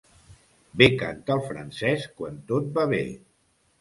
Bé canta el francès, quan tot va bé.